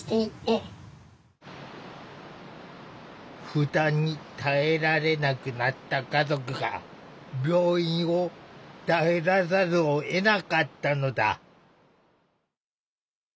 負担に耐えられなくなった家族が病院を頼らざるをえなかったのだ。